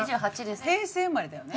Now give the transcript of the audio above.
平成生まれだよね？